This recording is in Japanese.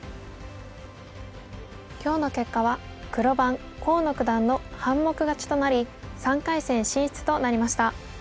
今日の結果は黒番河野九段の半目勝ちとなり３回戦進出となりました。